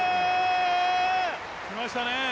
きましたね。